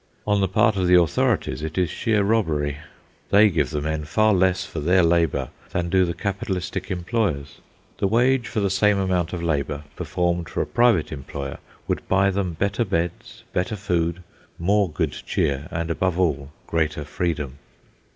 On the part of the authorities it is sheer robbery. They give the men far less for their labour than do the capitalistic employers. The wage for the same amount of labour, performed for a private employer, would buy them better beds, better food, more good cheer, and, above all, greater freedom.